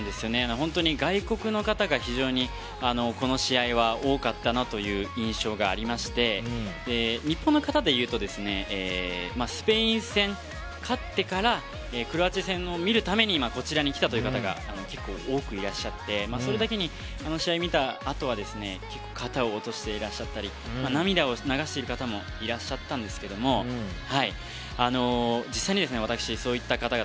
本当に外国の方がこの試合は多かったなという印象がありまして日本の方でいうとスペイン戦、勝ってからクロアチア戦を見るためにこちらに来たという方が結構多くいらっしゃってそれだけにあの試合を見たあとは肩を落としていらっしゃったり涙を流している方もいらっしゃったんですけども実際に私、そういった方々